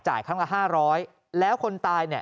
จ่ายครั้งละ๕๐๐แล้วคนตาย